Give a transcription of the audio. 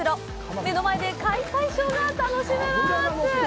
目の前で解体ショーが楽しめます！